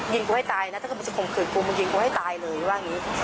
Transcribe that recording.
ยิงกูให้ตายนะถ้ามันจะข่มขืดกูมันยิงกูให้ตายเลยว่าอย่างนี้